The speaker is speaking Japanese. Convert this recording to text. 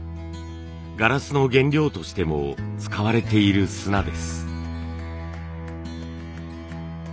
ガラスの原料としても使われている砂です。